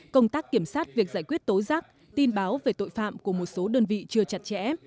công tác kiểm soát việc giải quyết tố giác tin báo về tội phạm của một số đơn vị chưa chặt chẽ